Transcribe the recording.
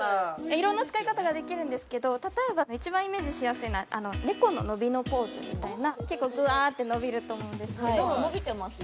いろんな使い方ができるんですけど例えば一番イメージしやすいのは猫の伸びのポーズみたいな結構ぐわーって伸びると思うんですけど伸びてますよ